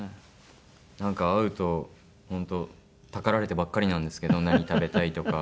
なんか会うと本当たかられてばっかりなんですけど何食べたいとか。